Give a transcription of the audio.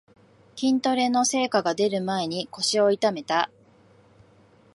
筋トレの成果がでる前に腰を痛めた